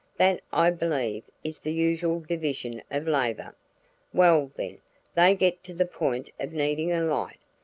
That, I believe, is the usual division of labor. Well, then, they get to the point of needing a light.